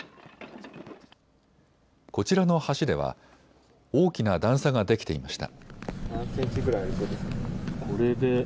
こちらの橋では大きな段差ができていました。